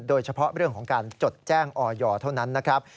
โดยเฉพาะเรื่องของการจดแจ้งออยเท่านั้นนะครับ